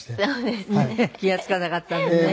気が付かなかったんでね。